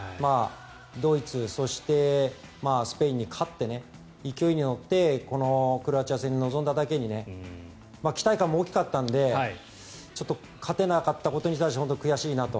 ドイツ、そしてスペインに勝って勢いに乗ってこのクロアチア戦に臨んだだけに期待感も大きかったので勝てなかったことに対しては本当に悔しいなと。